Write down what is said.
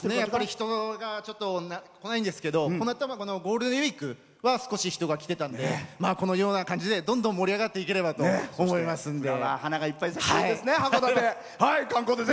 人がちょっと来ないんですけどこないだのゴールデンウイークは少し人が来てたのでこのような感じでどんどん盛り上がっていければと思いますんで。